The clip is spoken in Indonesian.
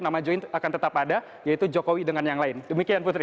nama join akan tetap ada yaitu jokowi dengan yang lain demikian putri